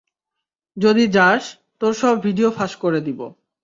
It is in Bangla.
যদি যাস, তোর সব ভিডিও ফাঁস করে দিব।